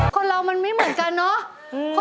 คนเรามันไม่เหมือนกันเนาะ